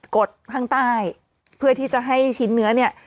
กดข้างใต้เพื่อที่จะให้ชิ้นเนื้อเนี่ย